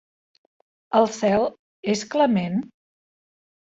El cel és clement?